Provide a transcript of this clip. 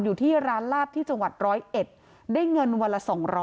อยู่ที่ร้านลาบที่จังหวัด๑๐๑ได้เงินวันละ๒๐๐